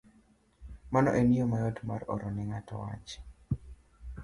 Mano en yo mayot mar oro ne ng'ato wach.